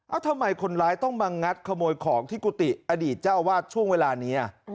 ทำไมคนร้ายต้องมางัดขโมยของที่กุฏิอดีตเจ้าอาวาสช่วงเวลานี้